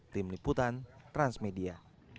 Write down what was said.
tim liputan transmedia